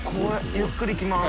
ゆっくり行きます。